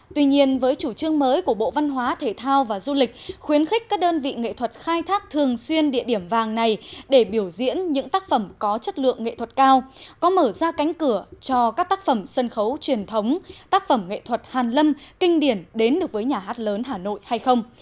tuy nhiên với chủ trương mới của bộ văn hóa thể thao và du lịch khuyến khích các đơn vị nghệ thuật khai thác thường xuyên địa điểm vàng này để biểu diễn những tác phẩm có chất lượng nghệ thuật cao có mở ra cánh cửa cho các tác phẩm sân khấu truyền thống tác phẩm nghệ thuật hàn lâm kinh điển đến được với nhà hát lớn hà nội hay không